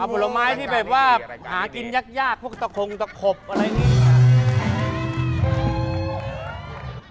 ผลไม้ที่แบบว่าหากินยากพวกตะคงตะขบอะไรอย่างนี้